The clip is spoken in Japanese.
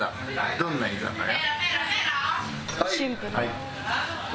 どんな居酒屋？